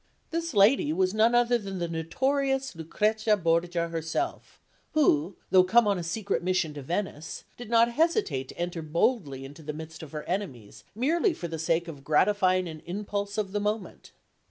This lady was none other than the notorious Lucrezia Borgia herself, who, though come on a secret mission to Venice, did not hesitate to enter boldly into the midst of her enemies, merely for the sake of gratifying an impulse of the moment.